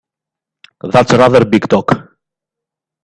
That's rather big talk!